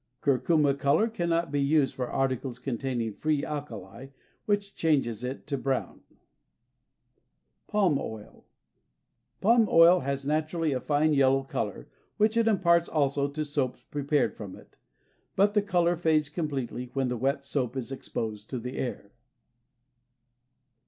Curcuma color cannot be used for articles containing free alkali, which changes it to brown. Palm Oil. has naturally a fine yellow color, which it imparts also to soaps prepared from it; but the color fades completely when the wet soap is exposed to the air.